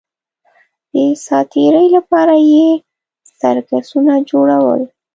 د ساتېرۍ لپاره یې سرکسونه جوړول